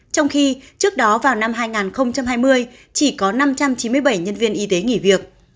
trong khi trước đó vào năm hai nghìn hai mươi chỉ có năm trăm chín mươi bảy nhân viên y tế nghỉ việc